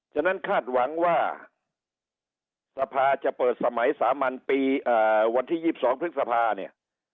ฉะนั้นคาดหวังว่าสภาจะเปิดสมัยสามัญปีวันที่๒๒พฤษภาเนี่ย